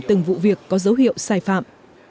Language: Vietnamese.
từng vụ việc có dấu hiệu sai phạm